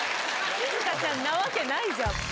しずかちゃんなわけないじゃん。